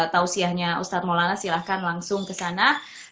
tausiahnya ustadz maulana silahkan langsung kesana